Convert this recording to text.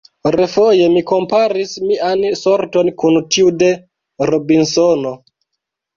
Refoje mi komparis mian sorton kun tiu de Robinsono.